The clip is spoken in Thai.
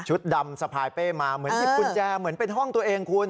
ดำสะพายเป้มาเหมือนหยิบกุญแจเหมือนเป็นห้องตัวเองคุณ